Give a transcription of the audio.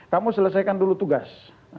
kamu selesaikan dulu tugas